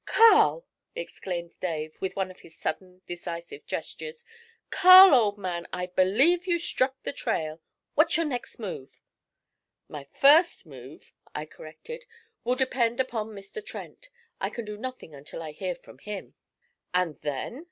'Carl!' exclaimed Dave, with one of his sudden, decisive gestures, 'Carl, old man, I believe you've struck the trail! What's your next move?' 'My first move,' I corrected, 'will depend upon Mr. Trent. I can do nothing until I hear from him.' 'And then?'